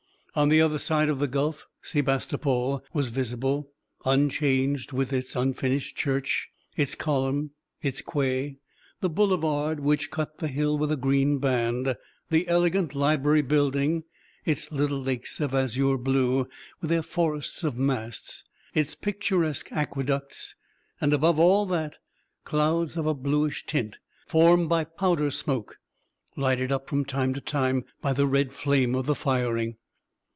On the other side of the gulf Sebastopol was visible, unchanged, with its unfinished church, its column, its quay, the boulevard which cut the hill with a green band, the elegant library building, its little lakes of azure blue, with their forests of masts, its picturesque aqueducts, and, above all that, clouds of a bluish tint, formed by powder smoke, lighted up from time to time by the red flame of the firing.